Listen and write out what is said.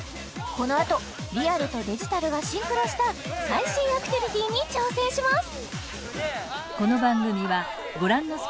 このあとリアルとデジタルがシンクロした最新アクティビティに挑戦します！